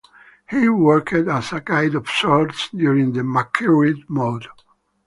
He worked as a guide of sorts during the MyCareer mode.